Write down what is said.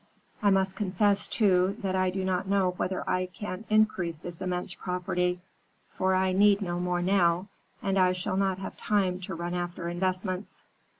I must confess, too, that I do not know whether I can increase this immense property, for I need no more now, and I shall not have time to run after investments.'